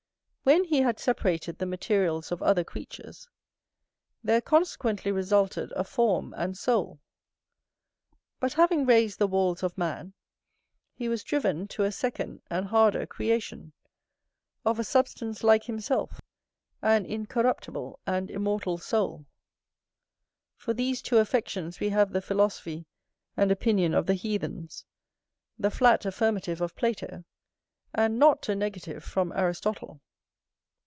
When he had separated the materials of other creatures, there consequently resulted a form and soul; but, having raised the walls of man, he was driven to a second and harder creation, of a substance like himself, an incorruptible and immortal soul. For these two affections we have the philosophy and opinion of the heathens, the flat affirmative of Plato, and not a negative from Aristotle.